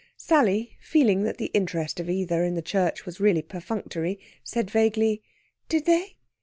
Sally, feeling that the interest of either in the church was really perfunctory, said vaguely did they?